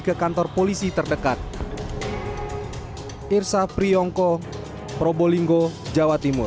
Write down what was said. ke kantor polisi terdekat irsa priyongko probolinggo jawa timur